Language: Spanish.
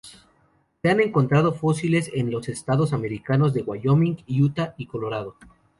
Se han encontrado fósiles en los estados americanos de Wyoming, Utah y Colorado.